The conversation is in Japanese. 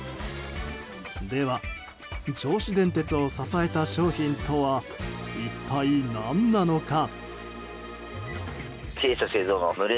では、銚子電鉄を支えた商品とは一体何なのか。